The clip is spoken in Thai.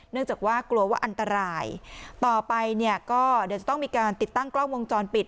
จากว่ากลัวว่าอันตรายต่อไปเนี่ยก็เดี๋ยวจะต้องมีการติดตั้งกล้องวงจรปิด